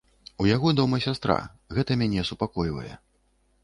У яго дома сястра, гэта мяне супакойвае.